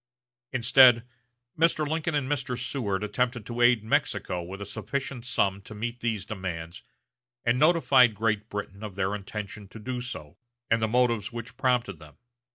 Instead, Mr. Lincoln and Mr. Seward attempted to aid Mexico with a sufficient sum to meet these demands, and notified Great Britain of their intention to do so, and the motives which prompted them.